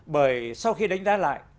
bởi sau khi đánh ra lại